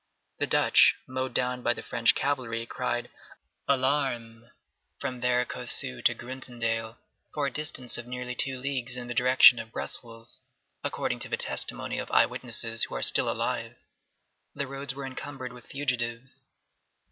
The Dutch, mowed down by the French cavalry, cried, "Alarm!" From Vert Coucou to Groenendael, for a distance of nearly two leagues in the direction of Brussels, according to the testimony of eye witnesses who are still alive, the roads were encumbered with fugitives.